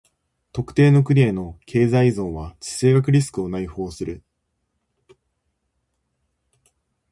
特定の国への経済依存は地政学リスクを内包する。